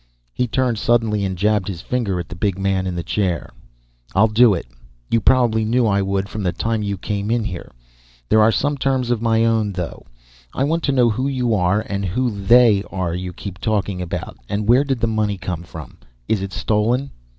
He turned suddenly and jabbed his finger at the big man in the chair. "I'll do it you probably knew I would from the time you came in here. There are some terms of my own, though. I want to know who you are, and who they are you keep talking about. And where did the money come from. Is it stolen?"